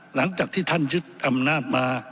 หลังจากที่ท่านยึดอำนาจมา